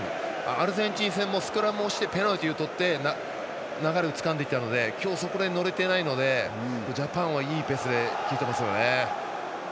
アルゼンチン戦もスクラムをしてペナルティーをとって流れをつかんでいったので今日は、そこら辺乗れてないのでジャパンはいいペースで来てますよね。